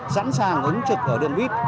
sẵn sàng ứng trực ở đường vít